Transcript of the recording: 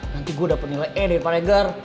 nanti gue dapet nilai e dari pak regar